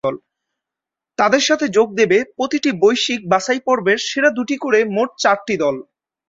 তাদের সাথে যোগ দেবে প্রতিটি বৈশ্বিক বাছাইপর্বের সেরা দুটি করে মোট চারটি দল।